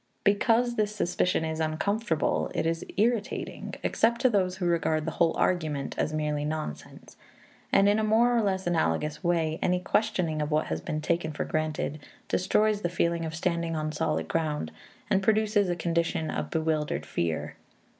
Because this suspicion is uncomfortable, it is irritating, except to those who regard the whole argument as merely nonsense. And in a more or less analogous way any questioning of what has been taken for granted destroys the feeling of standing on solid ground, and produces a condition of bewildered fear.